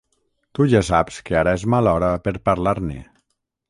Tu ja saps que ara és mala hora per parlar-ne.